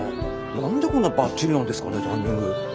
何でこんなばっちりなんですかねタイミング。